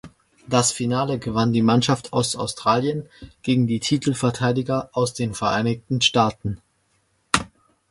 Das Finale gewann die Mannschaft aus Australien gegen die Titelverteidiger aus den Vereinigten Staaten.